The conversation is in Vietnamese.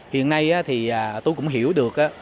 hiện nay thì tôi cũng hiểu được